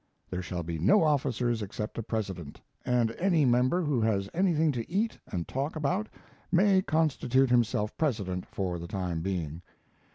There shall be no officers except a president, and any member who has anything to eat and talk about may constitute himself president for the time being.